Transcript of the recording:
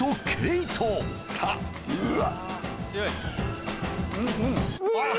うわ・